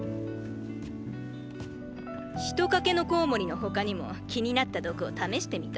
ヒトカケノコウモリの他にも気になった毒を試してみた。